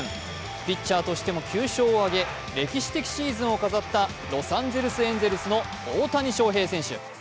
ピッチャーとしても９勝をあげ歴史的シーズンを飾ったロサンゼルス・エンゼルスの大谷翔平選手。